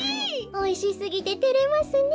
おいしすぎててれますねえ。